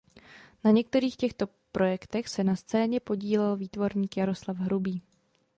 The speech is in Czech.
Na některých těchto projektech se na scéně podílel výtvarník Jaroslav Hrubý.